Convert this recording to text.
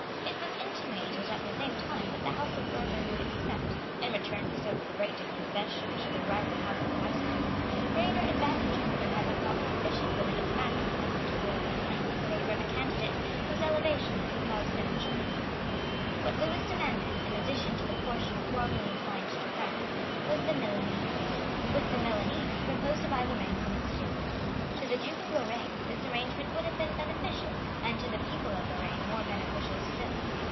It was intimated at the same time that the House of Bourbon would expect, in return for so great a concession to the rival House of Habsburg, greater advantages than had been thought sufficient when the Dauphin consented to waive his claims in favour of a candidate whose elevation could cause no jealousies. What Lewis demanded, in addition to the portion formerly assigned to France, was the Milanese. With the Milanese he proposed to buy Lorraine from its Duke. To the Duke of Lorraine this arrangement would have been beneficial, and to the people of Lorraine more beneficial still.